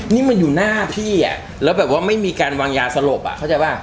นี่มันอยู่หน้าพี่อ่ะแล้วแบบว่าไม่มีการวางยาสลบอ่ะเข้าใจป่ะ